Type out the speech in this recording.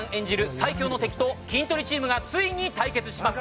最強の敵とキントリチームがついに対決します。